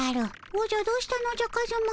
おじゃどうしたのじゃカズマ。